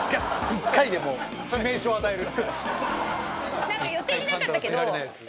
１回でもう致命傷を与える。